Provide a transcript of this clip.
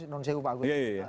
tentu saja ke pak agus